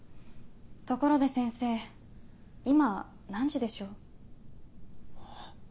ところで先生今何時でしょう？は？